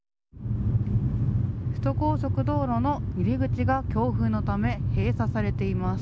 首都高速道路の入り口が強風のため閉鎖されています。